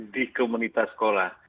di komunitas sekolah